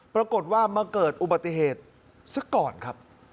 ปรากฏว่ามาเกิดอุบัติเหตุซะก่อนครับ